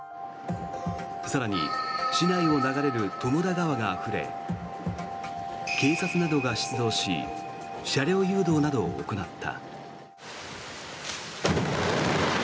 更に市内を流れる友田川があふれ警察などが出動し車両誘導などを行った。